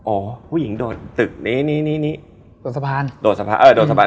โอ้ผู้หญิงโดดสะพาน